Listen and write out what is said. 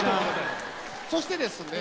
そしてですね